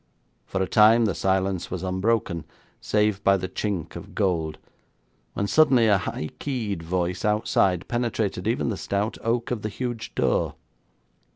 For a time the silence was unbroken, save by the chink of gold, when suddenly a high keyed voice outside penetrated even the stout oak of the huge door.